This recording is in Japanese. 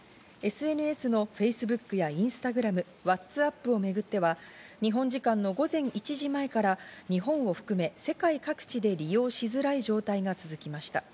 ＳＮＳのフェイスブックやインスタグラム、ワッツアップをめぐっては日本時間の午前１時前から日本を含め、世界各地で利用しづらい状態が続きました。